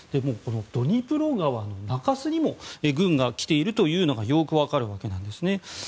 ドニプロ川の中州にも軍が来ているのがよく分かるわけなんですね。